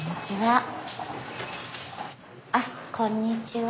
あこんにちは。